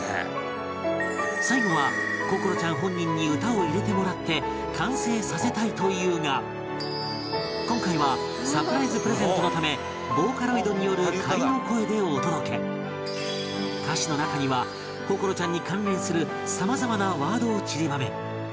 最後は心愛ちゃん本人に歌を入れてもらって完成させたいというが今回はサプライズプレゼントのためボーカロイドによる仮の声でお届け歌詞の中には心愛ちゃんに関連する様々なワードをちりばめ